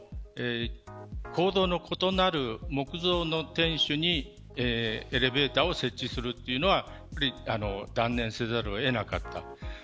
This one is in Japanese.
構造の異なる木造の天守にエレベーターを設置するというのは断念せざるを得なかった。